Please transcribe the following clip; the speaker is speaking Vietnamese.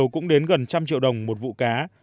cũng đến gần trăm triệu đồng một vụ cá